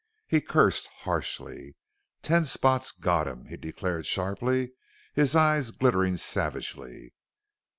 He cursed harshly. "Ten Spot's got him!" he declared sharply, his eyes glittering savagely.